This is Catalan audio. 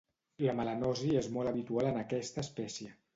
La melanosi és molt habitual en aquesta espècie.